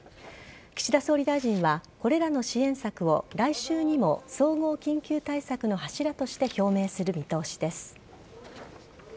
岸田総理大臣はこれらの支援策を来週にも総合緊急対策の柱として表明する見通しです。